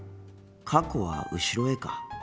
過去は後ろへか。